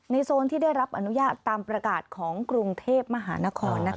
โซนที่ได้รับอนุญาตตามประกาศของกรุงเทพมหานคร